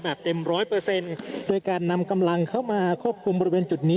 เต็มร้อยเปอร์เซ็นต์โดยการนำกำลังเข้ามาควบคุมบริเวณจุดนี้